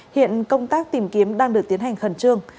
hiện công tác tìm kiếm đang được tiến hành khẩn trương